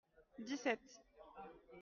dix-sept.